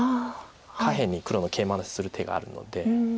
下辺に黒のケイマする手があるので。